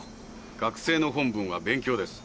学生の本分は勉強です。